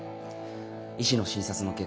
医師の診察の結果